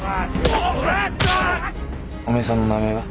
お前さんの名前は？